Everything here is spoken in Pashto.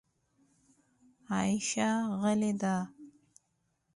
عایشه غلې ده .